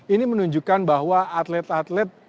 ini menunjukkan bahwa atlet atlet